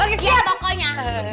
oke siap pokoknya